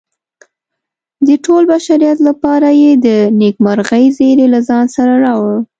د ټول بشریت لپاره یې د نیکمرغۍ زیری له ځان سره راوړ.